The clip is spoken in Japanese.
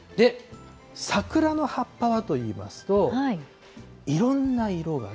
桜の葉っぱはといいますと、いろんな色がね。